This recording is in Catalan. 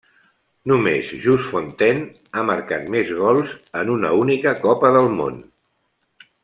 Només Just Fontaine ha marcat més gols en una única Copa del Món.